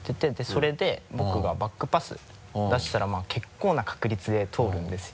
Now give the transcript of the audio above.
それで僕がバックパス出したら結構な確率で通るんですよ。